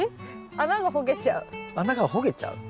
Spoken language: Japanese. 穴がほげちゃう？